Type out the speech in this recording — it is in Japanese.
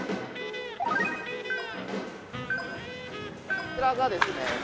こちらがですね